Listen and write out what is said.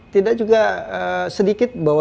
tidak juga sedikit bahwa nelayan nelayannya